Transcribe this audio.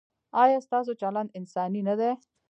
ایا ستاسو چلند انساني نه دی؟